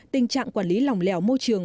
tình trạng quản lý lòng lẻo môi trường